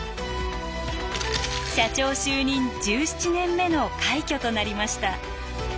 社長就任１７年目の快挙となりました。